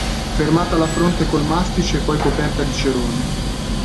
Fermata alla fronte col mastice e poi coperta di cerone.